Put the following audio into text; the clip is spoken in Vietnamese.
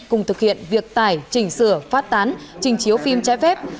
cùng thực hiện việc tải chỉnh sửa phát tán trình chiếu phim trái phép